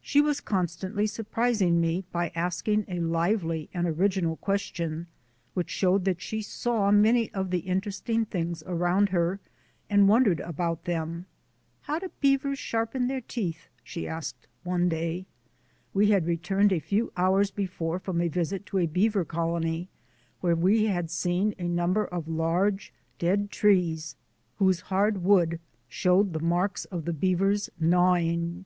She was constantly surprising me by asking a lively and original question which showed that she saw many of the interesting things around her and wondered about them. "How do beavers sharpen their teeth?" she asked one day. We had returned a few hours be fore from a visit to a beaver colony, where we had seen a number of large, dead trees whose hard wood showed the marks of the beavers' gnawing.